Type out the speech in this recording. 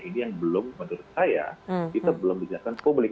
ini yang belum menurut saya kita belum dijelaskan publik